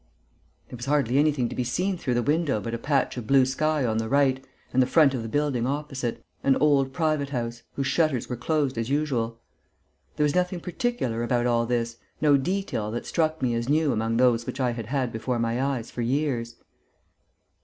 There was hardly anything to be seen through the window but a patch of blue sky on the right and the front of the building opposite, an old private house, whose shutters were closed as usual. There was nothing particular about all this, no detail that struck me as new among those which I had had before my eyes for years....